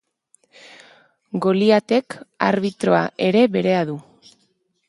Goliatek arbitroa ere berea du.